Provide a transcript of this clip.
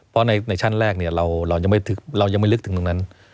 เพราะในชั้นแรกเนี่ยเรายังไม่ลึกถึงตรงนั้น